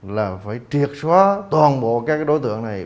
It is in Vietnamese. là phải triệt xóa toàn bộ các đối tượng này